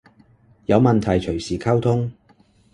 有問題隨時溝通